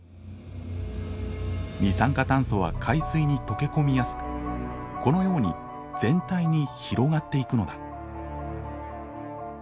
二酸化炭素は海水に溶け込みやすくこのように全体に広がっていくのだ。